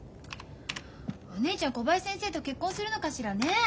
お姉ちゃん小林先生と結婚するのかしらねえ？